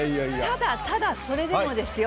ただ、ただ、それでもですよ。